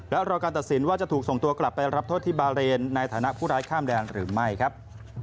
และรอการตัดสินว่าจะถูกส่งตัวกลับไปรับโทษที่บาเรนในฐานะผู้ร้ายข้ามแดนหรือไม่ครับ